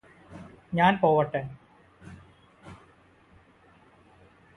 ഞാന് പോവട്ടെ